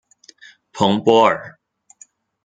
蓬波尔。